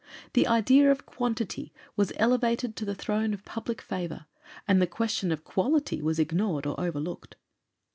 The idea of QUANTITY was elevated to the throne of public favor, and the question of QUALITY was ignored or overlooked.